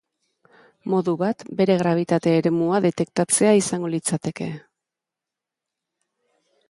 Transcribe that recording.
Modu bat, bere grabitate eremua detektatzea izango litzateke.